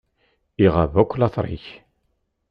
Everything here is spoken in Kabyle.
Iɣab akk later-ik.